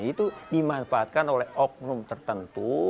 itu dimanfaatkan oleh oknum tertentu